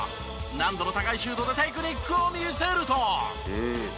難度の高いシュートでテクニックを見せると。